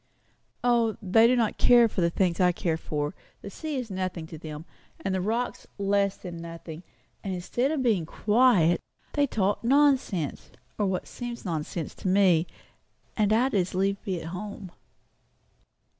"O, they do not care for the things I care for; the sea is nothing to them, and the rocks less than nothing; and instead of being quiet, they talk nonsense, or what seems nonsense to me; and I'd as lieve be at home."